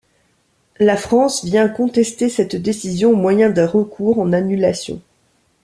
La France vient contester cette décision au moyen d'un recours en annulation.